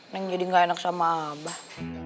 neng jadi nggak enak sama abah